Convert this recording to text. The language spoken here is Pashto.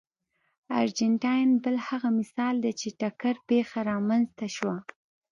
ارجنټاین بل هغه مثال دی چې ټکر پېښه رامنځته شوه.